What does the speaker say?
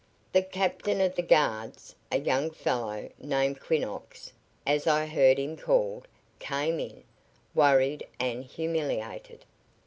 The captain of the guards, a young fellow named Quinnox, as I heard him called, came in, worried and humiliated.